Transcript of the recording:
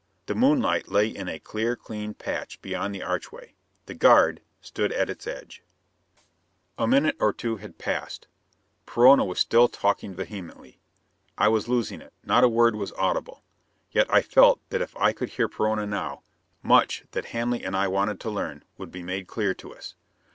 The moonlight lay in a clear clean patch beyond the archway. The guard stood at its edge. A minute or two had passed. Perona was still talking vehemently. I was losing it: not a word was audible. Yet I felt that if I could hear Perona now, much that Hanley and I wanted to learn would be made clear to us.